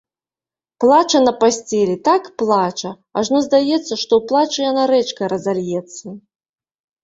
Плача на пасцелі, так плача, ажно здаецца, што ў плачы яна рэчкай разальецца.